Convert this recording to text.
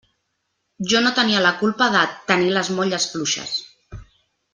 Jo no tenia la culpa de «tenir les molles fluixes».